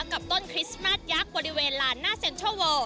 กับต้นคริสต์มาสยักษ์บริเวณลานหน้าเซ็นทรัลเวิล